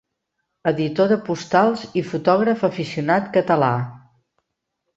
Editor de postals i fotògraf aficionat català.